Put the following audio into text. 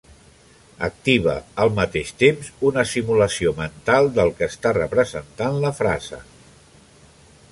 Activa, al mateix temps, una simulació mental del que està representant la frase.